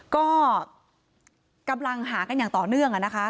ก็กำลังหากันอย่างต่อเนื่องนะคะ